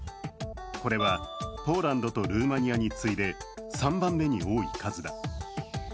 これはポーランドとルーマニアに次いで３番目に多い数だ。